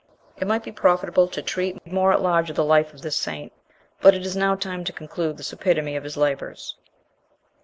It might be profitable to treat more at large of the life of this saint, but it is now time to conclude this epitome of his labours.